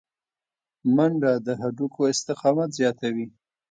منډه د هډوکو استقامت زیاتوي